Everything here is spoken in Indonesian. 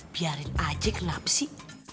biarin aja kenapa sih